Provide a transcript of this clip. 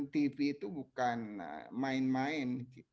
tujuh ratus dua puluh delapan tv tuh bukan main main